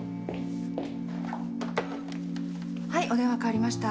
はいお電話代わりました。